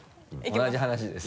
同じ話です。